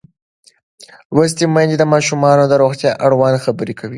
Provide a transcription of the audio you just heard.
لوستې میندې د ماشومانو د روغتیا اړوند خبرې کوي.